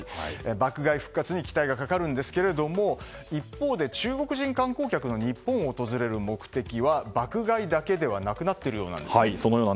爆買い復活に期待がかかるんですけども一方で中国人観光客の日本を訪れる目的は爆買いだけではなくなっているようです。